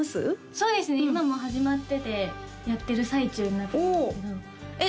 そうですね今もう始まっててやってる最中になっちゃうんですけどえっ